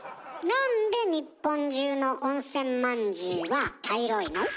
なんで日本中の温泉まんじゅうは茶色いの？